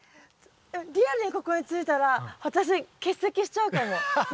えっリアルにここについたら私欠席しちゃうかも次。